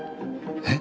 え？